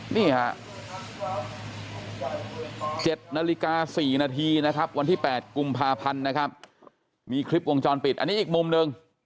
นี่ฮะ๗นาฬิกา๔นาทีนะครับวันที่๘กุมภาพันธ์นะครับมีคลิปวงจรปิดอันนี้อีกมุมหนึ่ง